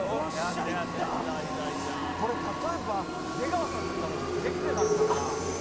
これ例えば出川さんだったらできてたのかな？